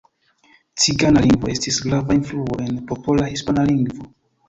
Cigana lingvo estis grava influo en popola hispana lingvo.